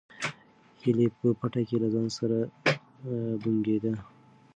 هیلې په پټه کې له ځان سره بونګېده.